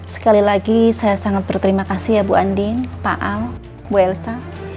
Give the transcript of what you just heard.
sekali lagi saya sangat berterima kasih ya bu andin pak al bu elsa